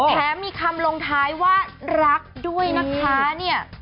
แถมมีคำลงท้ายว่ารักด้วยนะคะเนี่ย